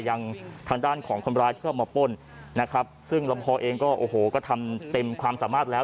ยังทางด้านของคนร้ายที่เข้ามาป้นนะครับซึ่งลำพอเองก็โอ้โหก็ทำเต็มความสามารถแล้ว